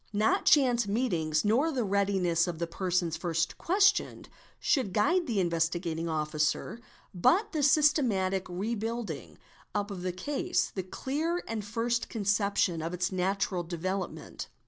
Not chance meetings nor the readiness of the persons first questioned, should guide the Investigating Officer; but the systematic re building up of the case, the clear and first conception of its natural development.